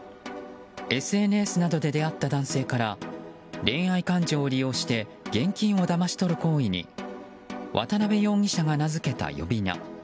ＳＮＳなどで出会った男性から恋愛感情を利用して現金をだまし取る行為に渡辺容疑者が名付けた呼び名。